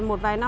một vài năm